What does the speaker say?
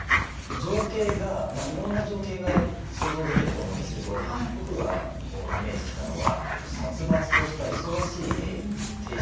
情景がいろんな情景が想像できると思うんですけど僕がイメージしたのは殺伐とした忙しい定食屋さん。